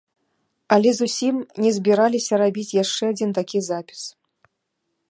Але зусім не збіраліся рабіць яшчэ адзін такі запіс.